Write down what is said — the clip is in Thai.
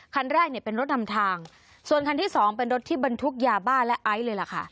คันแรกเนี่ยเป็นรถนำทางส่วนคันที่สองเป็นรถที่บรรทุกยาบ้าและไอซ์เลยล่ะค่ะ